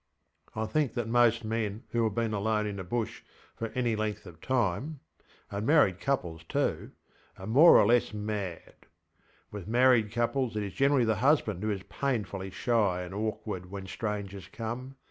I think that most men who have been alone in the Bush for any length of timeŌĆöand married couples tooŌĆöare more or less mad. With married couples it is generally the husband who is painfully shy and awkward when strangers come.